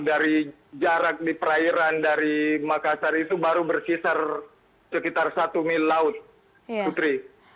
dari jarak di perairan dari makassar itu baru berkisar sekitar satu mil laut putri